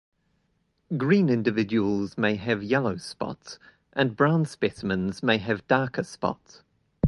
Green individuals may have yellow spots, and brown specimens may have darker spots.